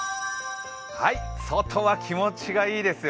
外は気持ちがいいですよ。